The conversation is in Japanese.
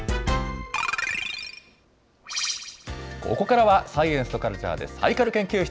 ここからはサイエンスとカルチャーでサイカル研究室。